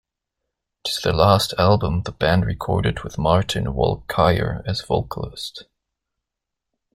It is the last album the band recorded with Martin Walkyier as vocalist.